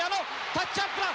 タッチアップだ。